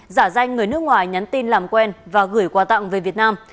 giả danh người nước ngoài nhắn tin làm quen và gửi quà tặng về việt nam